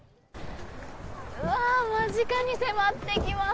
間近に迫ってきます。